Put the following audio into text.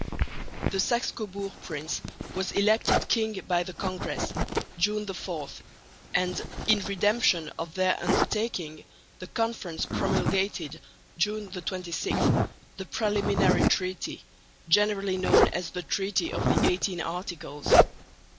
The Saxe Coburg prince was elected king by the Congress (June 4); and in redemption of their undertaking the Conference promulgated (June 26) the preliminary treaty, generally known as the Treaty of the XVIII Articles.